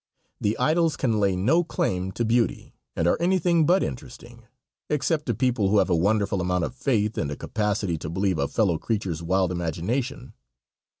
The idols can lay no claim to beauty, and are anything but interesting, except to people who have a wonderful amount of faith and a capacity to believe a fellow creature's wild imagination.